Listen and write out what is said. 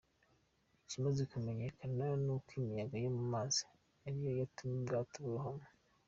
Ikimaze kumenyekana ni uko imiyaga yo mu mazi ari yo yatumye ubwato burohama.